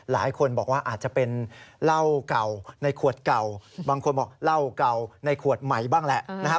หลายคนบอกว่าอาจจะเป็นเหล้าเก่าในขวดเก่าบางคนบอกเหล้าเก่าในขวดใหม่บ้างแหละนะครับ